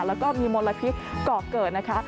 แล้วก็มีมลพิษเกาะเกิดนะคะ